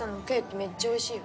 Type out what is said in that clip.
めっちゃおいしいよ。